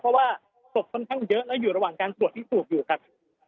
เพราะว่าศพค่อนข้างเยอะและอยู่ระหว่างการตรวจพิสูจน์อยู่ครับ